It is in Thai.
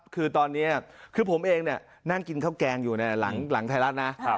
คือตอนนี้คือผมเองนั่งกินข้าวแกงอยู่ในหลังไทยรัฐนะ